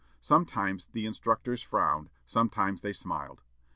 Sometimes the instructors frowned, sometimes they smiled.